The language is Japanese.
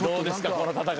この戦い。